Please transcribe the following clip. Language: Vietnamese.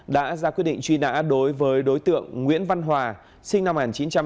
đã ra quyết định truy nã đối với đối tượng nguyễn văn hòa sinh năm một nghìn chín trăm tám mươi